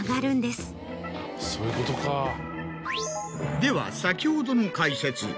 では先ほどの解説。